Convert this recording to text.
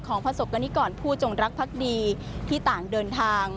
ประสบกรณิกรผู้จงรักพักดีที่ต่างเดินทาง